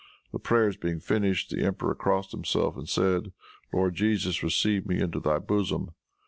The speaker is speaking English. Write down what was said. The prayers being finished, the emperor crossed himself and said, "Lord Jesus, receive me into thy bosom."